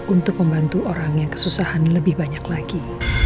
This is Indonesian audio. untuk membantu orang yang kesusahan lebih banyak lagi